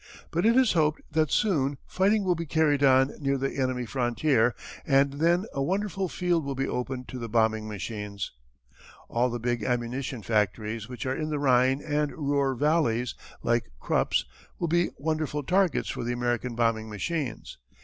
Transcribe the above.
But it is hoped that soon fighting will be carried on near the enemy frontier and then a wonderful field will be opened to the bombing machines. "All the big ammunition factories which are in the Rhine and Ruhr valleys, like Krupp's, will be wonderful targets for the American bombing machines.